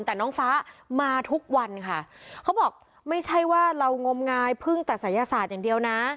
แต่น้องฟ้ามาทุกวันค่ะเขาบอกไม่ใช่ว่าเรางมงายพึ่งแต่ศัยศาสตร์อย่างเดียวนะ